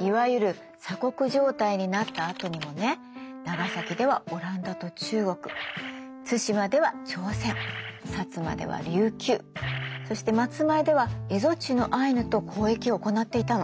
いわゆる鎖国状態になったあとにもね長崎ではオランダと中国対馬では朝鮮摩では琉球そして松前では蝦夷地のアイヌと交易を行っていたの。